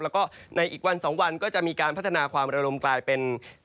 แล้วก็ในอีกวัน๒วันก็จะมีการพัฒนาความระลมกลายเป็น